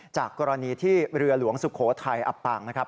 จากกรณีที่เรือหลวงสุโขทัยอับปางนะครับ